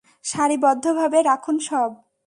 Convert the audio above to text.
সারিবদ্ধভাবে রাখুন সব!